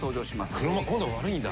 今度は悪いんだ。